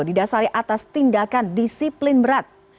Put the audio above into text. di dasari atas tindakan disiplin berat